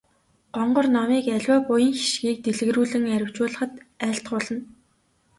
Гонгор номыг аливаа буян хишгийг дэлгэрүүлэн арвижуулахад айлтгуулна.